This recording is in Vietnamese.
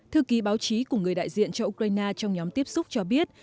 thư ký báo chí của người đại diện cho ukraine trong nhóm tiếp xúc cho biết